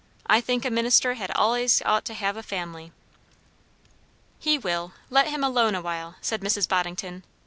I think a minister had allays ought to have a family." "He will, let him alone a while," said Mrs. Boddington.